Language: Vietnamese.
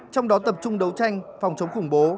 trong đó tập trung đấu tranh phòng chống khủng bố